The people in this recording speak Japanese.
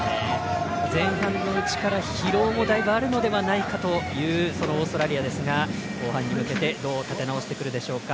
前半のうちから疲労もだいぶあるのではないかというそのオーストラリアですが後半に向けてどう立て直してくるでしょうか。